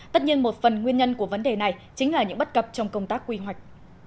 tất nhiên một phần nguyên nhân của vấn đề này chính là những bất cập trong công tác quy hoạch